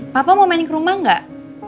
papa mau main ke rumah gak